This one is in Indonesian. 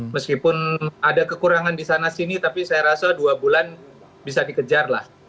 meskipun ada kekurangan di sana sini tapi saya rasa dua bulan bisa dikejar lah